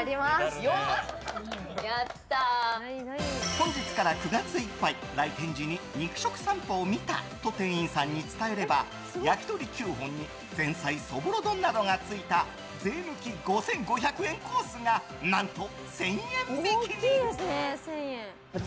本日から９月いっぱい来店時に肉食さんぽを見たと店員さんに伝えれば焼き鳥９本に前菜、そぼろ丼などが付いた税抜き５５００円コースが何と１０００円引きに！